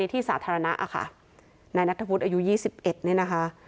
ในที่สาธารณะอ่ะค่ะนายนัทธวุฒิอายุยี่สิบเอ็ดเนี่ยนะคะ